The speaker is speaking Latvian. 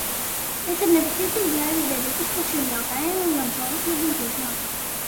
Es ar nepacietību gaidu debates par šiem jautājumiem gan šovakar, gan turpmāk.